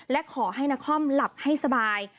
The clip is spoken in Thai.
และขอให้นครหลับให้สบาย